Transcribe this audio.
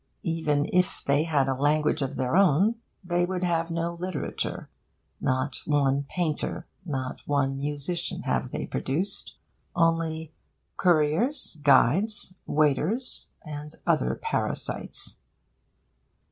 Even if they had a language of their own, they would have no literature. Not one painter, not one musician, have they produced; only couriers, guides, waiters, and other parasites.